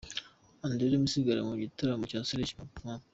Adrien Misigaro mu gitaramo cya Serge i Maputo.